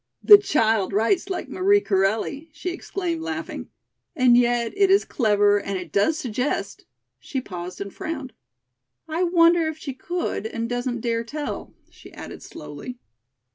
"The child writes like Marie Corelli," she exclaimed, laughing. "And yet it is clever and it does suggest " she paused and frowned. "I wonder if she could and doesn't dare tell?" she added slowly.